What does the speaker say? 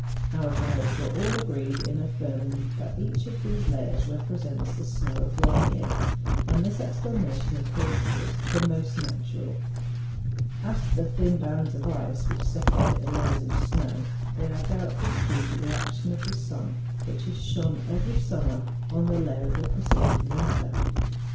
Our guides were all agreed in affirming that each of these layers represents the snow of one year; and this explanation appeared to us the most natural. As F 66 MOUNTAIN ADVENTUEES. to tlie tliin bands of ice which separate the layers of snow, they are doubtless due to the 'action of the sun, which has shone every summer on the layer of the preceding winter.